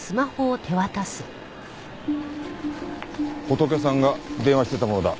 ホトケさんが電話してたものだ。